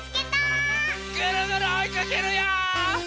ぐるぐるおいかけるよ！